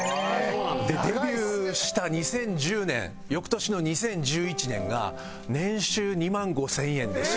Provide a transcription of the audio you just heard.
でデビューした２０１０年翌年の２０１１年が年収２万５０００円でした。